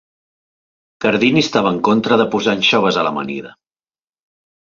Cardini estava en contra de posar anxoves a l'amanida.